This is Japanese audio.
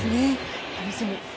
楽しみ。